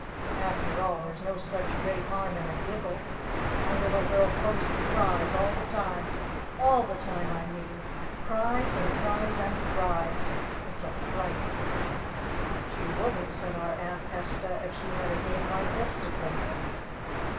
After all there's no such great harm in a giggle. My little girl Posie cries all the time. All the time, I mean! Cries and cries and cries! It's a fright!" "She wouldn't," said our Aunt Esta, "if she had a game like this to play with."